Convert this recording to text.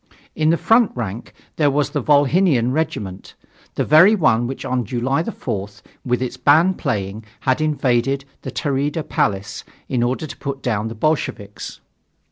In the front rank there was the Volhynian Regiment, the very one which on July 4th, with its band playing, had invaded the Tauri'da Palace, in order to put down the Bolsheviks.